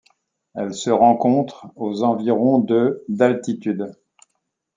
Elle se rencontre aux environs de d'altitude.